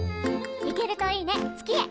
行けるといいね月へ！